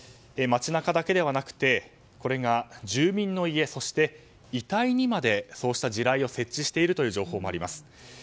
街中だけではなくて住民の家、そして遺体にまで地雷を設置しているという情報もあります。